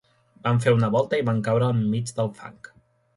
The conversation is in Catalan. Van fer una volta i van caure enmig del fang